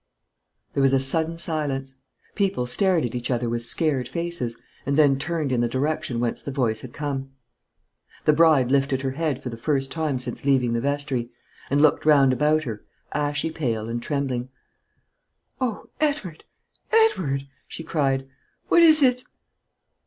There was a sudden silence; people stared at each other with scared faces, and then turned in the direction whence the voice had come. The bride lifted her head for the first time since leaving the vestry, and looked round about her, ashy pale and trembling. "O Edward, Edward!" she cried, "what is it?"